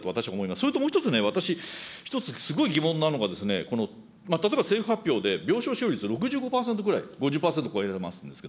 それともう一つね、私、ひとつ、すごい疑問なのが、この例えば政府発表で、病床使用率６５％ぐらい、５０％超えますよね。